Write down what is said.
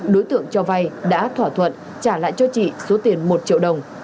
đối tượng cho vay đã thỏa thuận trả lại cho chị số tiền một triệu đồng